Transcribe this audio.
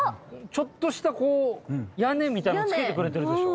ちょっとした屋根みたいなのつけてくれてるでしょ？